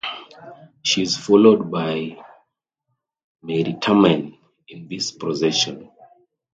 She is followed by Meritamen in this procession.